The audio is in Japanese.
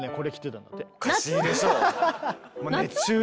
おかしいでしょう。